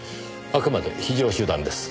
あくまで非常手段です。